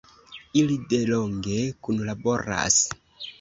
Ili delonge kunlaboras.